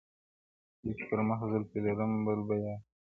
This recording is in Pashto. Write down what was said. زه چي پر مخ زلفي لرم بل به یارکړمه؛؛!